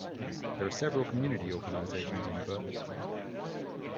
There are several community organizations in Burt.